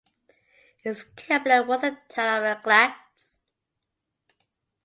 Its capital was the town of Glatz.